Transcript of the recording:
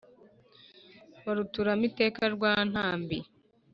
Baruturamo iteka rwantambi